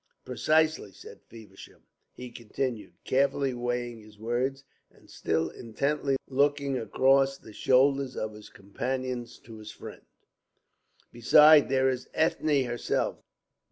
"Precisely," said Feversham. He continued, carefully weighing his words, and still intently looking across the shoulders of his companions to his friend: "Besides, there is Ethne herself.